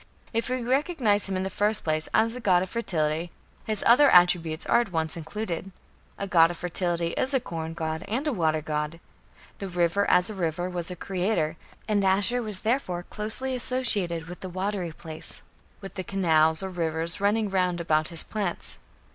If we recognize him in the first place as a god of fertility, his other attributes are at once included. A god of fertility is a corn god and a water god. The river as a river was a "creator" (p. 29), and Ashur was therefore closely associated with the "watery place", with the canals or "rivers running round about his plants".